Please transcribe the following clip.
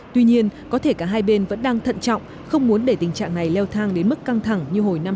tuy nhiên có thể cả hai bên vẫn đang thận trọng không muốn để tình trạng này leo thang đến mức căng thẳng như hồi năm hai nghìn một mươi